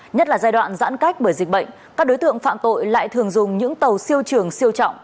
nhất là giai đoạn giãn cách bởi dịch bệnh các đối tượng phạm tội lại thường dùng những tàu siêu trường siêu trọng